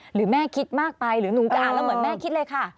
หรือแม่คิดมากไปหรือหนูจะอ่านแล้วเหมือนแม่คิดเลยค่ะ